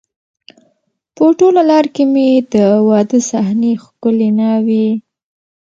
په ټوله لار کې مې د واده صحنې، ښکلې ناوې،